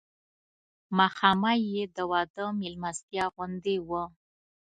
ماښامنۍ یې د واده مېلمستیا غوندې وه.